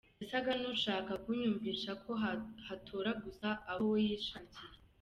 Yasaga n’ushaka kunyumvisha ko hatora gusa abo we yishakiye !